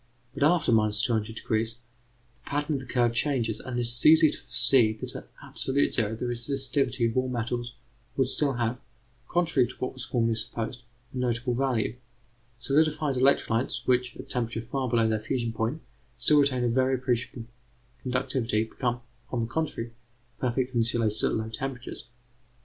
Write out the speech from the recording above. But, after 200°, the pattern of the curves changes, and it is easy to foresee that at absolute zero the resistivities of all metals would still have, contrary to what was formerly supposed, a notable value. Solidified electrolytes which, at temperatures far below their fusion point, still retain a very appreciable conductivity, become, on the contrary, perfect insulators at low temperatures.